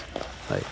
はい。